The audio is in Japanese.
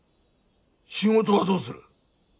仕事はどうする？